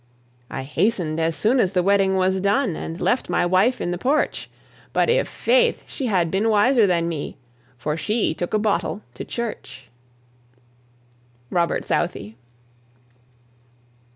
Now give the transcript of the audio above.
"I hastened as soon as the wedding was done, And left my wife in the porch, But i' faith she had been wiser than me, For she took a bottle to church," ROBERT SOUTHEY.